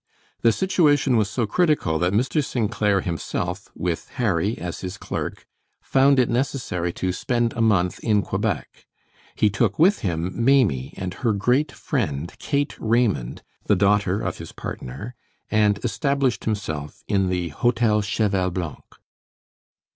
The situation was so critical that Mr. St. Clair himself, with Harry as his clerk, found it necessary to spend a month in Quebec. He took with him Maimie and her great friend Kate Raymond, the daughter of his partner, and established himself in the Hotel Cheval Blanc.